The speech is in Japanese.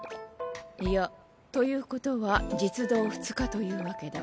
いやということは実働２日というわけだ。